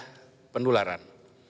untuk mencegah pendularan